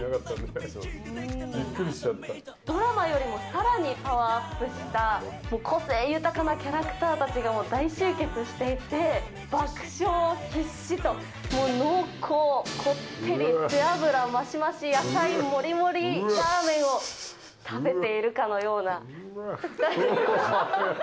ドラマよりもさらにパワーアップした、個性豊かなキャラクターたちが大集結していて、爆笑必至と、もう濃厚、こってり、背脂ましまし、野菜もりもりラーメンを食べているかのような。